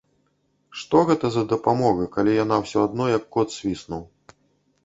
Што гэта за дапамога, калі яна ўсё адно як кот свіснуў.